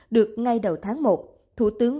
được ngay đầu tháng một